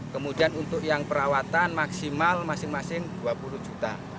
kemudian untuk yang perawatan maksimal masing masing dua puluh juta